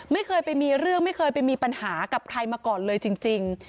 ไม่เคยไปมีเรื่องไม่เคยไปมีปัญหากับใครมาก่อนเลยจริง